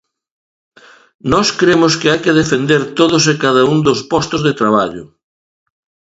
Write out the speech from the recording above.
Nós cremos que hai que defender todos e cada un dos postos de traballo.